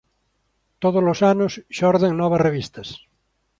Tódolos anos xorden novas revistas.